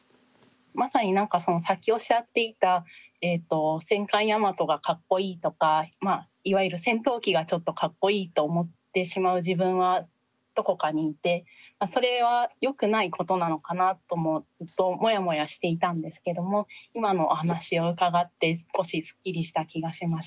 まさに何かそのさっきおっしゃっていた戦艦大和がかっこいいとかいわゆる戦闘機がちょっとかっこいいと思ってしまう自分はどこかにいてそれはよくないことなのかなともずっとモヤモヤしていたんですけども今のお話を伺って少しすっきりした気がしました。